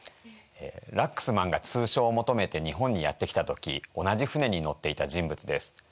ラックスマンが通商を求めて日本にやって来た時同じ船に乗っていた人物です。